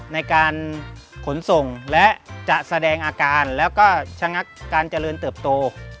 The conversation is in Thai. ในการขนส่งและจะแสดงอาการแล้วก็ชะงักการเจริญเติบโต